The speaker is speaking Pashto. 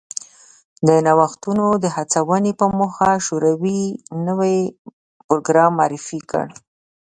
د نوښتونو د هڅونې په موخه شوروي نوی پروګرام معرفي کړ